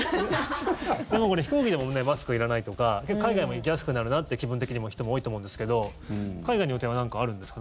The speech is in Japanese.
でもこれ、飛行機でもマスクいらないとか海外でも行きやすくなるなって気分的にもそういう人も多いと思うんですけど海外の予定は何かあるんですか？